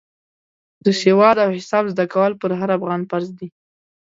د سواد او حساب زده کول پر هر افغان فرض دی.